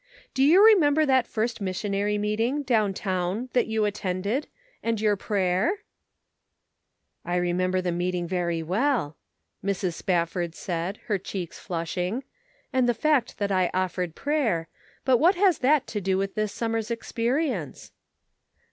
Do you re member that first missionary meeting down town that you attended, and your prayer ?"" I remember the meeting very well," Mrs. Spafford said, her cheeks flushing, " and the fact that I offered pntyer, but what has that to do with this summer's experience